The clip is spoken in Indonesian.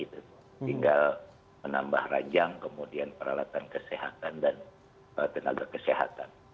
tinggal menambah rajang kemudian peralatan kesehatan dan tenaga kesehatan